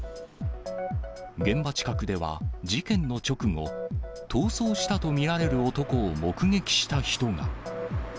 現場近くでは、事件の直後、逃走したと見られる男を目撃した人が。